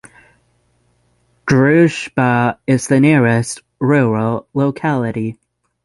Druzhba is the nearest rural locality.